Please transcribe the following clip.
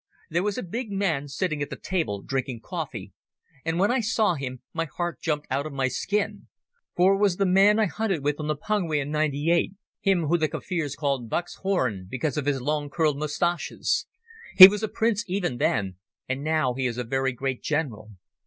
"There was a big man sitting at a table drinking coffee, and when I saw him my heart jumped out of my skin. For it was the man I hunted with on the Pungwe in '98—him whom the Kaffirs called 'Buck's Horn', because of his long curled moustaches. He was a prince even then, and now he is a very great general.